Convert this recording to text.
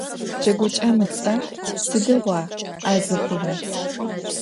Джэгукӏэм ыцӏэр: «Сыдигъуа ар зыхъурэр?».